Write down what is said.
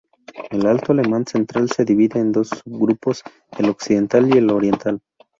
El alto alemán central se divide en dos subgrupos: el occidental y el oriental.